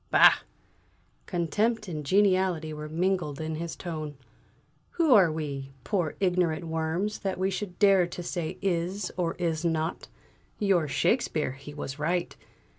"Bah!" Contempt and geniality were mingled in his tone. "Who are we, poor ignorant worms, that we should dare to say 'is' or 'is not'? Your Shakespeare, he was right!